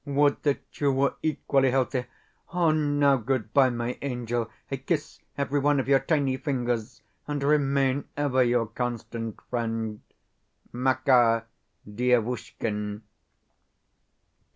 Would that you were equally healthy!... Now goodbye, my angel. I kiss every one of your tiny fingers, and remain ever your constant friend, MAKAR DIEVUSHKIN.